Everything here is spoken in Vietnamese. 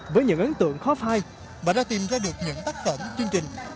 với những ấn tượng khó phai bà đã tìm ra được những tác phẩm chương trình